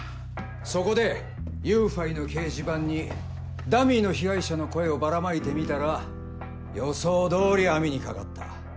そこでＹｏｕＦｉの掲示板にダミーの被害者の声をばらまいてみたら予想どおり網にかかった。